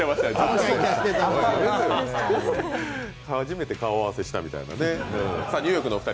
初めて顔合わせしたみたいなね。